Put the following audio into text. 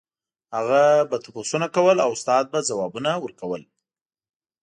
هغه به تپوسونه کول او استاد به ځوابونه ورکول.